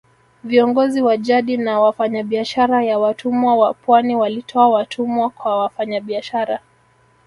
Viongozi wa jadi na wafanyabiashara ya watumwa wa pwani walitoa watumwa kwa wafanyabiashara